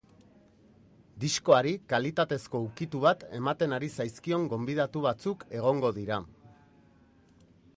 Diskoari kalitatezko ukitu bat ematen ari zaizkion gonbidatu batzuk egongo dira.